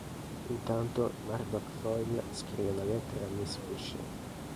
Intanto Murdock Foyle scrive una lettera a Miss Fisher.